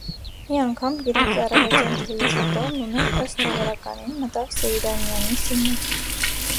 Մի անգամ, կիրակի առավոտյան թեյից հետո, Նունեն ըստ սովորականին մտավ Սեյրանյանի սենյակը: